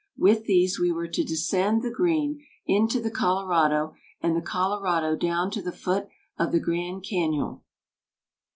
With these we were to descend the Green into the Colorado, and the Colorado down to the foot of the Grand Cañon."